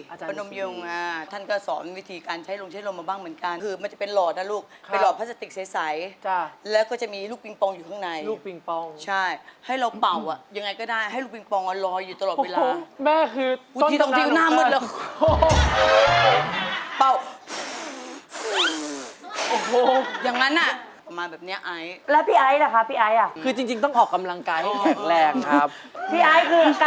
อาจารย์มิวงาท่านก็สอนวิธีการใช้ลงใช้ลงมาบ้างเหมือนกันคือมันจะเป็นหล่อนะลูกเป็นหล่อพลาสติกใสแล้วก็จะมีลูกปริงปองอยู่ข้างในลูกปริงปองใช่ให้เราเป่ายังไงก็ได้ให้ลูกปริงปองเรารออยู่ตลอดเวลาแม่คือส้นตรงนั้นอุทิตรตรงที่หน้าหมึดแล้วโอ้โฮอย่างนั้นน่ะประมาณแบ